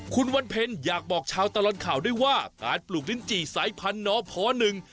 คุณวันเพ็ญอยากบอกชาวตลอดข่าวด้วยว่าการปลูกลิ้นจี่สายพันธหนึ่ง